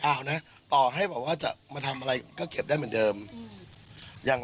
เราก็ฉากออกมานะ